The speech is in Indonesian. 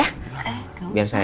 gak usah gak usah